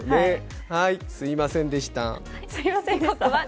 すみませんでした。